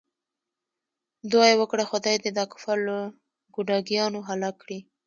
دعا یې وکړه خدای دې دا کفار له ګوډاګیانو هلاک کړي.